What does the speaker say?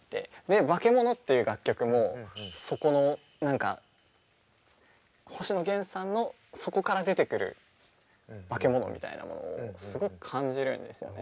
「化物」という楽曲もそこの何か星野源さんのそこから出てくる化物みたいなものをすごく感じるんですよね。